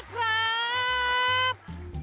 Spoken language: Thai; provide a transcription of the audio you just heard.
สวัสดีครับ